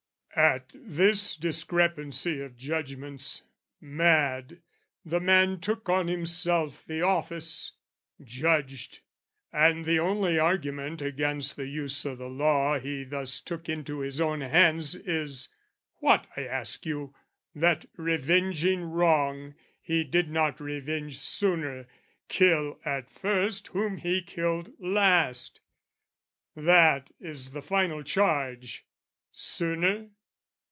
At this discrepancy of judgments mad, The man took on himself the office, judged; And the only argument against the use O' the law he thus took into his own hands Is...what, I ask you? that, revenging wrong, He did not revenge sooner, kill at first Whom he killed last! That is the final charge. Sooner?